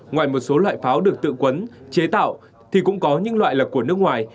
ngoài một số loại pháo được tự quấn chế tạo thì cũng có những loại là của nước ngoài